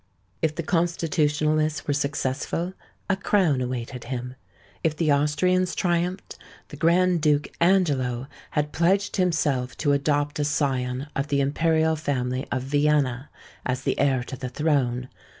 If the Constitutionalists were successful, a crown awaited him: if the Austrians triumphed, the Grand Duke Angelo had pledged himself to adopt a scion of the imperial family of Vienna as the heir to the throne.